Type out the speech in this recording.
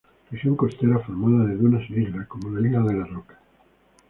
Región costera formada de dunas y Islas, como la Isla del Roca.